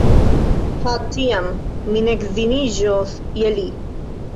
Ha! tiam mi ne edziniĝos je li.